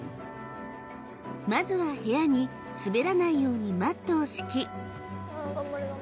まずは部屋に滑らないようにマットを敷き